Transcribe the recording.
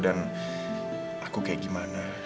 dan aku kayak gimana